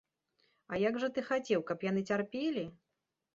А як жа ты хацеў, каб яны цярпелі?